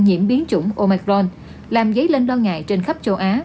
nhiễm biến chủng omicron làm dấy lên lo ngại trên khắp châu á